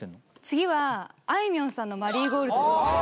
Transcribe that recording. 次はあいみょんさんの「マリーゴールド」です